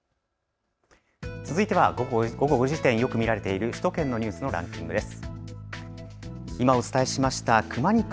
続いては午後５時時点よく見られている首都圏のニュースのランキングです。